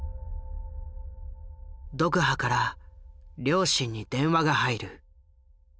ドクハから両親に電話が入る。